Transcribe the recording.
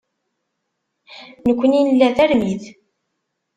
Nekkni nla tarmit.